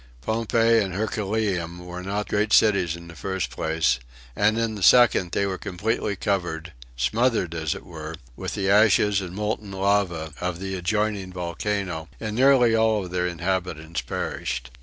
Pompeii and Herculaneum were not great cities in the first place, and in the second, they were completely covered, smothered as it were, with the ashes and molten lava of the adjoining volcano, and nearly all of their inhabitants perished.